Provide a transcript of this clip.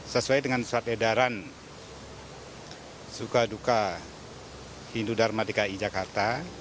sesuai dengan surat edaran sukaduka hindu dharma dki jakarta